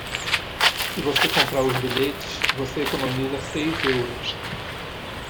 Se você comprar os bilhetes você economiza seis euros.